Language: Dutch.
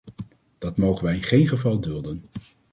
Dat mogen wij in geen geval dulden.